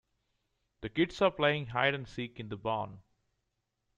The kids are playing hide and seek in the barn.